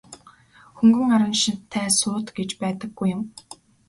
Хөнгөн араншинтай суут гэж байдаггүй юм.